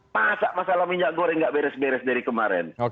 masa masalah minyak goreng nggak beres beres dari kemarin